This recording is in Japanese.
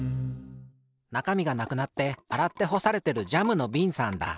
なかみがなくなってあらってほされてるジャムのびんさんだ。